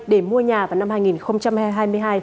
để mua nhà vào năm hai nghìn hai mươi hai